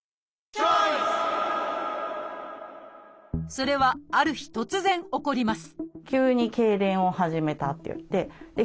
それはある日突然起こります